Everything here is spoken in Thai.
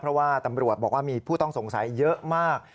เพราะว่าตำรวจบอกว่ามีผู้ต้องสงสัยเยอะมาก